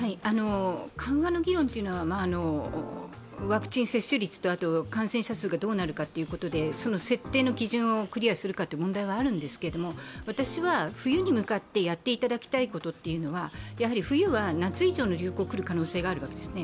緩和の議論というのは、ワクチン接種率と感染者数がどうなるかということで、その設定の基準をクリアするかという問題はあるんですけれども、私は冬に向かってやっていただきたいことは冬は夏以上の流行が来る可能性があるわけですね。